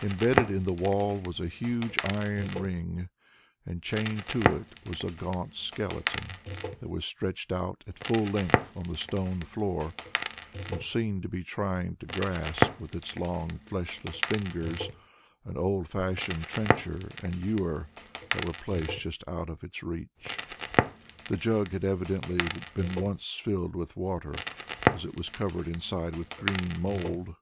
Embedded in the wall was a huge iron ring, and chained to it was a gaunt skeleton, that was stretched out at full length on the stone floor, and seemed to be trying to grasp with its long fleshless fingers an old fashioned trencher and ewer, that were placed just out of its reach. The jug had evidently been once filled with water, as it was covered inside with green mold.